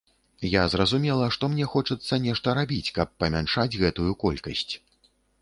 Я зразумела, што мне хочацца нешта рабіць, каб памяншаць гэтую колькасць.